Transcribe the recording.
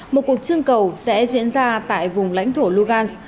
một cuộc chương cầu sẽ diễn ra tại vùng lãnh thổ lugansk